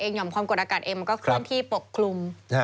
แต่นอาหารความกลอดอากาศเองก็เคลื่อนที่ปกคลุม